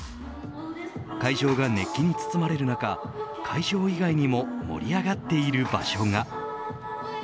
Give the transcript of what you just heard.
会場が熱気に包まれる中会場以外にも盛り上がっている場所が。